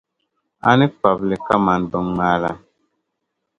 A ni kpabi li kaman biŋŋmaa la.